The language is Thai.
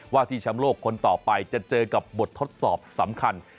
ที่แชมป์โลกคนต่อไปจะเจอกับบททดสอบสำคัญ